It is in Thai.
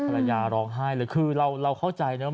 ภรรยาร้องไห้เลยคือเราเข้าใจนะ